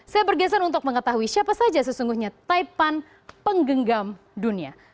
saya bergeser untuk mengetahui siapa saja sesungguhnya taipan penggenggam dunia